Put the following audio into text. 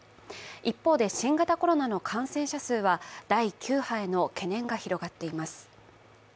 一方で新型コロナの感染者数は第９波への懸念が広がっています。